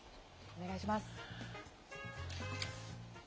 お願いします。